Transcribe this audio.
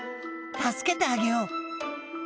助けてあげよう！